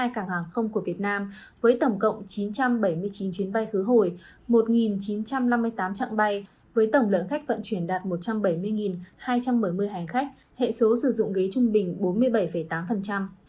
cục hàng không việt nam có tổng cộng chín trăm bảy mươi chín chuyến bay khứ hồi một chín trăm năm mươi tám trạng bay với tổng lượng khách vận chuyển đạt một trăm bảy mươi hai trăm một mươi hãng khách hệ số sử dụng ghế trung bình bốn mươi bảy tám